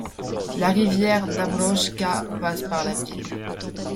La rivière Dąbroczna passe par la ville.